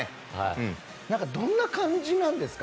どんな感じなんですか？